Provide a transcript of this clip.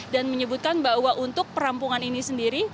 dan menyebutkan bahwa untuk perampungan ini sendiri